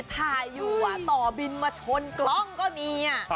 ถ่ายอยู่ต่อบินมาชนกล้องก็มี